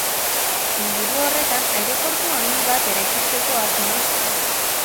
Inguru horretan aireportu handi bat eraikitzeko asmoa zegoen.